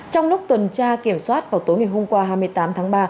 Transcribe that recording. trong lúc tuần tra kiểm soát vào tối ngày hôm qua hai mươi tám tháng ba